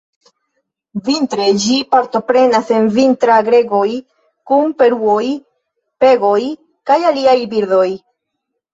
Vintre ĝi partoprenas en vintra-gregoj kun paruoj, pegoj, kaj aliaj birdoj.